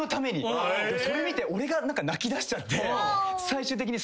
それ見て俺が泣きだしちゃって。